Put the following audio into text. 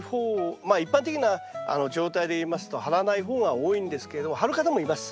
一般的な状態で言いますと張らない方が多いんですけども張る方もいます。